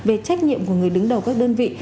về trách nhiệm của người đứng đầu các đơn vị